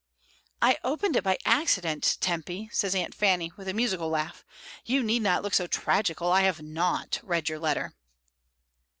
"I opened it by accident, Tempy," says Aunt Fanny, with a musical laugh; "you need not look so tragical. I have not read your letter."